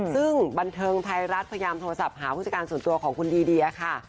ซึ่งบันเทิงไทยรัฐพยายามโทรศัพท์หาผู้จัดการส่วนตัวของคุณดีเดียค่ะ